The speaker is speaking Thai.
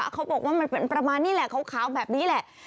เขาบอกว่ามันเป็นประมาณนี้แหละขาวแบบนี้แหละ